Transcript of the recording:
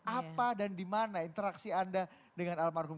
apa dan dimana interaksi anda dengan almarhum